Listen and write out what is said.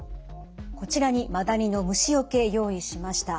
こちらにマダニの虫よけ用意しました。